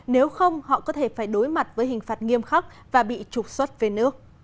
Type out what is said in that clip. nếu không họ có thể phải đối mặt với hình phạt nghiêm khắc và bị trục xuất về nước